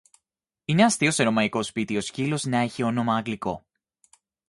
Είναι αστείο σε ρωμέικο σπίτι ο σκύλος να έχει όνομα αγγλικό.